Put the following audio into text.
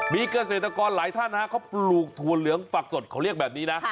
มีเกษตรกรหลายท่านเขาปลูกถั่วเหลืองฝักสดเขาเรียกแบบนี้นะ